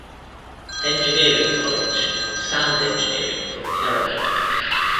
Engineering College and Sound Engineering from kerala.